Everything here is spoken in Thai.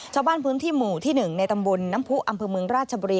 ชาวบ้านพื้นที่หมู่ที่๑ในตำบลน้ำผู้อำเภอเมืองราชบุรี